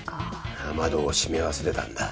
雨戸を閉め忘れたんだ。